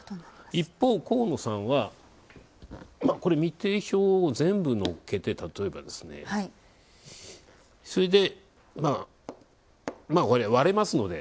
一方、河野さんは未定票を全部乗っけてそれで割れますので。